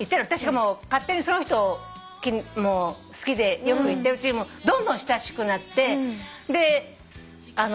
私が勝手にその人を好きでよく行ってるうちにどんどん親しくなって。